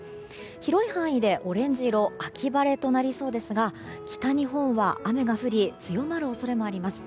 広い範囲でオレンジ色秋晴れとなりそうですが北日本は雨が降り強まる恐れもあります。